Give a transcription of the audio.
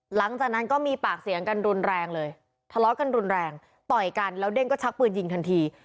หลังจากนั้นก็มีปากเสียงกันรุนแรงเลยทะเลาะกันรุนแรงต่อยกันแล้วเด้งก็ชักปืนยิงทันที